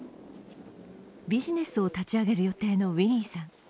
ビジネスを立ち上げる予定のウィニーさん。